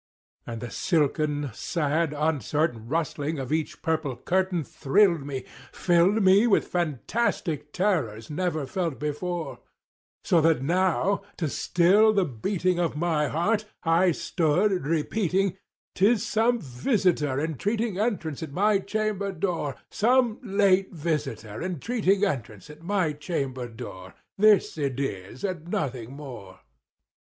And the silken sad uncertain rustling of each purple curtain Thrilled me—filled me with fantastic terrors never felt before; So that now, to still the beating of my heart, I stood repeating "'Tis some visitor entreating entrance at my chamber door— Some late visitor entreating entrance at my chamber door;— This it is, and nothing more."